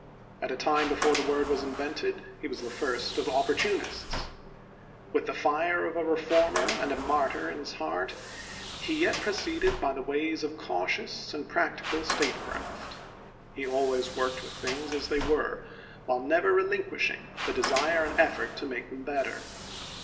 At a time before the word was invented he was the first of opportunists. With the fire of a reformer and a martyr in his heart he yet proceeded by the ways of cautious and practical statecraft. He always worked with things as they were, while never relinquishing the desire and effort to make them better.